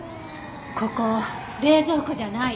ここ冷蔵庫じゃない。